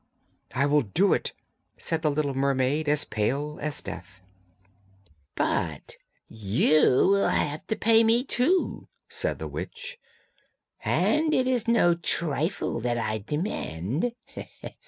'I will do it,' said the little mermaid as pale as death. 'But you will have to pay me, too,' said the witch, 'and it is no trifle that I demand.